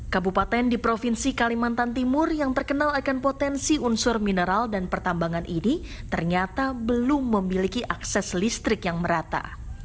kabupaten di provinsi kalimantan timur yang terkenal akan potensi unsur mineral dan pertambangan ini ternyata belum memiliki akses listrik yang merata